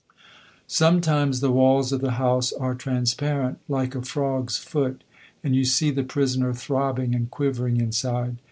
Sometimes the walls of the house are transparent, like a frog's foot, and you see the prisoner throbbing and quivering inside.